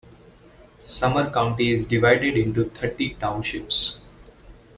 Sumner County is divided into thirty townships.